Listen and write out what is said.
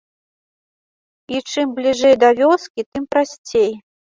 І чым бліжэй да вёскі, тым прасцей.